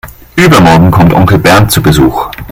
Übermorgen kommt Onkel Bernd zu Besuch.